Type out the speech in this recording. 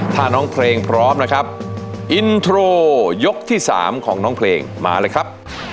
ถ้าน้องเพลงพร้อมนะครับอินโทรยกที่๓ของน้องเพลงมาเลยครับ